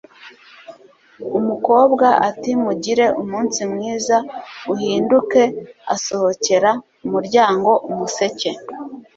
umukobwa ati mugire umunsi mwiza uhinduke asohokera umuryango umuseke